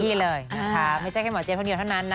นี่เลยนะคะไม่ใช่แค่หมอเจ๊คนเดียวเท่านั้นนะ